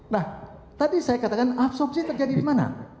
nah tadi saya katakan absorpsi terjadi dimana